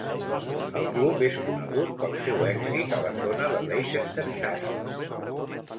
El club és conegut pel seu èxit a la zona de Leicestershire.